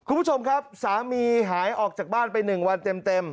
คุณผู้ชมครับสามีหายออกจากบ้านไป๑วันเต็ม